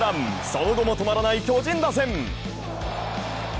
その後も止まらない巨人打線。